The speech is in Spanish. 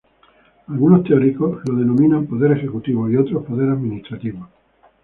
Algunos teóricos lo denominan Poder Ejecutivo y otros Poder Administrativo.